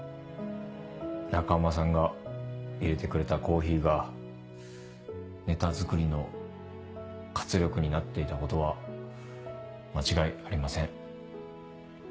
中浜さんが入れてくれたコーヒーがネタ作りの活力になっていたことは間違いありません。